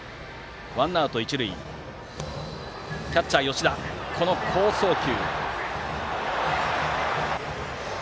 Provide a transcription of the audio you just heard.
ワンアウト、一塁でキャッチャーの吉田がこの好送球。